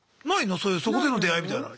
そういうそこでの出会いみたいなの。